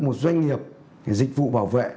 một doanh nghiệp dịch vụ bảo vệ